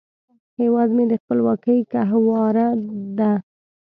هیواد مې د خپلواکۍ ګهواره ده